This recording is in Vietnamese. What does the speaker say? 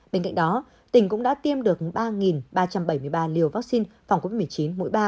bên cạnh đó tỉnh cũng đã tiêm được ba ba trăm bảy mươi ba liều vaccine phòng covid một mươi chín mỗi ba